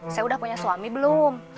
saya udah punya suami belum